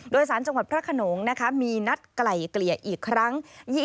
โดยสารจังหวัดพระขนงมีนัดไกล่เกลี่ยอีกครั้ง